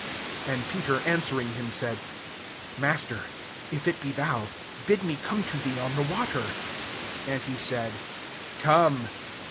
'' 28 And Peter answering him, said, '' Master^ if it be thou, bid me come, to thee on the water." 29 And he said, "Come."